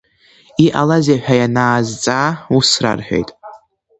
Иҟалазеи ҳәа ианаазҵаа ус рарҳәеит…